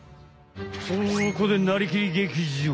そこで「なりきり！劇場」！